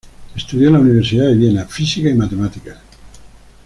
Estudió en la Universidad de Viena física y matemáticas.